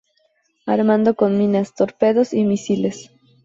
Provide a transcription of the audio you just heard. Armado con minas, torpedos y misiles.